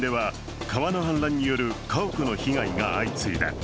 福岡県では川の氾濫による家屋の被害が相次いだ。